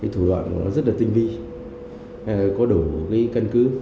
thủ đoạn của nó rất là tinh vi có đủ căn cứ